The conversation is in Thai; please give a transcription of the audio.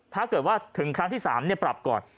ถ้าเกิดว่าถึงครั้งที่๓ปรับก่อน